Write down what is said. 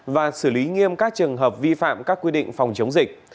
và xử lý nghiêm các trường hợp vi phạm các quy định phòng chống dịch